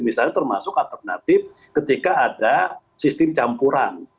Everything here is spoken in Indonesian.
misalnya termasuk alternatif ketika ada sistem campuran